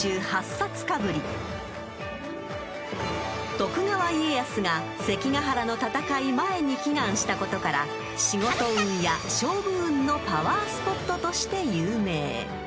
［徳川家康が関ヶ原の戦い前に祈願したことから仕事運や勝負運のパワースポットとして有名］